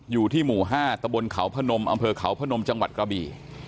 อยู่ที่หมู่๕ตะบนเขาพนมอำเภอเขาพนมจังหวัดกระบี่